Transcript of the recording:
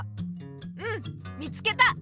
うん見つけた！